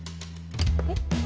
えっ？